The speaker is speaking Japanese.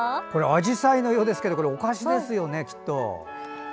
あじさいのようですけどお菓子ですよね、きっと。